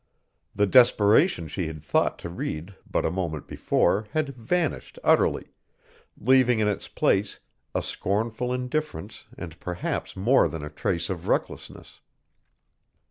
The desperation she had thought to read but a moment before had vanished utterly, leaving in its place a scornful indifference and perhaps more than a trace of recklessness.